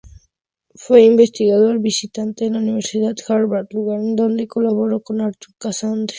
Fue investigador visitante en la Universidad Harvard, lugar en donde colaboró con Arthur Casagrande.